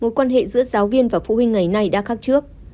mối quan hệ giữa giáo viên và phụ huynh ngày nay đã khác trước